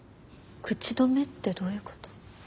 口止めってどういうこと？